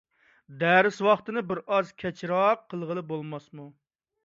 دەرس ۋاقتىنى بىرئاز كەچرەك قىلغىلى بولماسمۇ؟